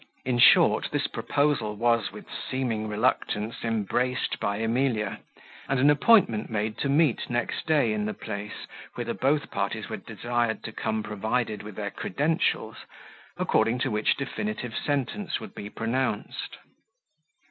In short, this proposal was, with seeming reluctance, embraced by Emilia, and an appointment made to meet next day in the place, whither both parties were desired to come provided with their credentials, according to which definitive sentence would be pronounced.